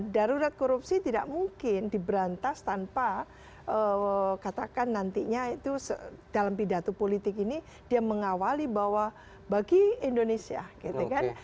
darurat korupsi tidak mungkin diberantas tanpa katakan nantinya itu dalam pidato politik ini dia mengawali bahwa bagi indonesia gitu kan